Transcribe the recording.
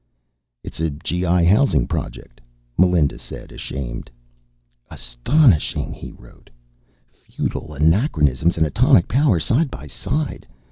"It's a G.I. housing project," Melinda said, ashamed. "Astonishing." He wrote: _Feudal anachronisms and atomic power, side by side.